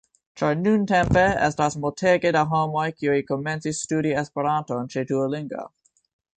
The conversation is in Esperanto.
Ĉar nuntempe estas multege da homoj kiuj komencis studi Esperanton ĉe Duolingo